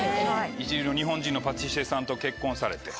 一流の日本人のパティシエさんと結婚されて。